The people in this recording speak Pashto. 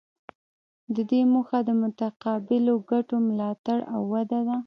د دې موخه د متقابلو ګټو ملاتړ او وده ده